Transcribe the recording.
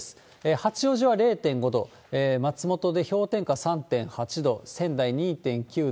八王子は０．５度、松本で氷点下３．８度、仙台２．９度。